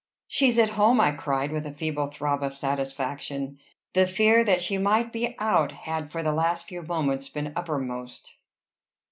"She's at home!" I cried, with a feeble throb of satisfaction. The fear that she might be out had for the last few moments been uppermost.